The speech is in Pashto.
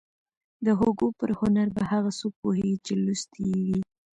د هوګو پر هنر به هغه څوک پوهېږي چې لوستی يې وي.